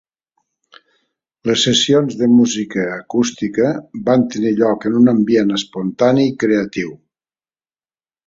Les sessions de música acústica van tenir lloc en un ambient espontani i creatiu.